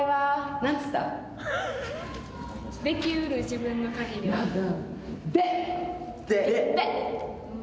できうる自分の限りはで。